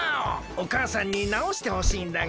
おかあさんになおしてほしいんだが。